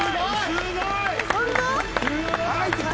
すごい！